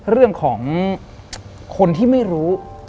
เรื่องของคนที่ไม่รู้